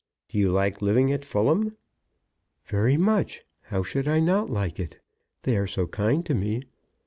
Do you like living at Fulham?" "Very much. How should I not like it? They are so kind to me.